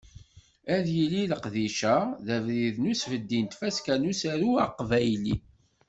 Ad yili leqdic-a d abrid i usbeddi n Tfaska n usaru aqbayli.